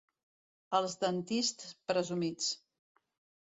Els d'Antist, presumits.